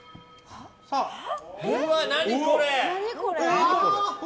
うわ、何これ？